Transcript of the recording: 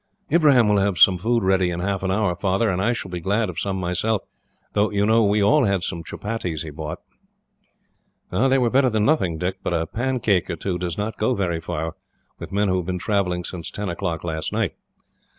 "Ibrahim will have some food ready in half an hour, Father, and I shall be glad of some myself. Though, you know, we all had some chupatties he bought." "They were better than nothing, Dick, but a pancake or two does not go very far, with men who have been travelling since ten o'clock last night.